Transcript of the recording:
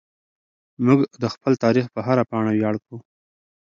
موږ د خپل تاریخ په هره پاڼه ویاړ کوو.